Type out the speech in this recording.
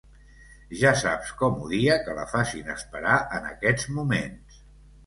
Ja saps com odia que la facin esperar en aquests moments.